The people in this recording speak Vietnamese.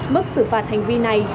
mức xử phạt hành vi này